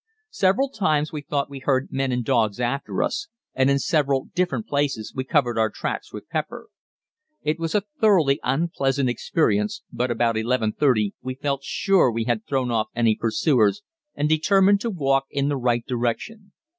Several times we thought we heard men and dogs after us, and in several different places we covered our tracks with pepper. It was a thoroughly unpleasant experience, but about 11.30 we felt sure we had thrown off any pursuers and determined to walk in the right direction.